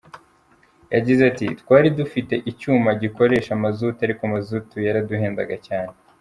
Yagize ati “Twari dufite icyuma gikoresha mazutu ariko mazutu yaraduhendaga cyane.